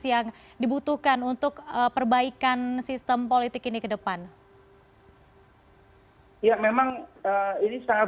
tapi itu berarti dalam setiap dengannya road pot